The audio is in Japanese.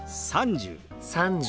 「３０」。